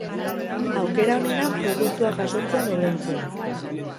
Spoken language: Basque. Aukera onena, produktua jasotzean ordaintzea.